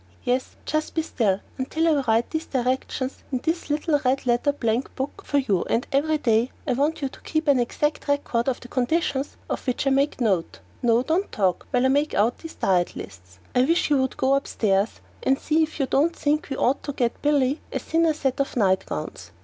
Yes, just be still until I write these directions in this little red leather blank book for you, and every day I want you to keep an exact record of the conditions of which I make note. No, don't talk while I make out these diet lists! I wish you would go upstairs and see if you don't think we ought to get Billy a thinner set of nightgowns.